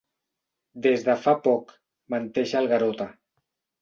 Des de fa poc —menteix el Garota—.